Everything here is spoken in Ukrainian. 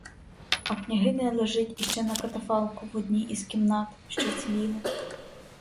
А княгиня лежить іще на катафалку в одній із кімнат, що вціліли.